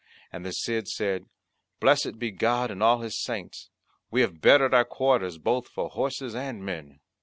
And the Cid said, "Blessed be God and all His saints, we have bettered our quarters both for horses and men."